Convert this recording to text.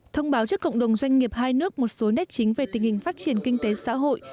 thông báo cho cộng đồng doanh nghiệp hai nước một số nét chính về tình hình phát triển kinh tế xã hội